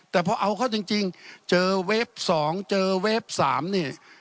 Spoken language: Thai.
แต่พอเอาเข้าจริงเจอเวฟ๒เจอเวฟ๓นี่